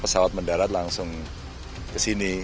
pesawat mendarat langsung kesini